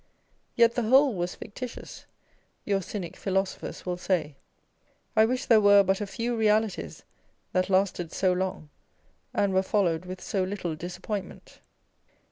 Yet the whole was fictitious, your cynic philosophers will say. I wish there were but a few realities that lasted so long, and were followed with so little disappointment.